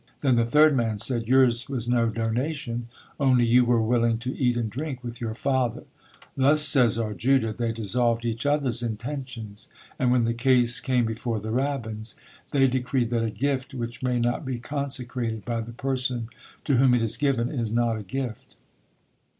Then the third man said Yours was no donation, only you were willing to eat and drink with your father. Thus, says R. Juda, they dissolved each other's intentions; and when the case came before the rabbins, they decreed that a gift which may not be consecrated by the person to whom it is given is not a gift.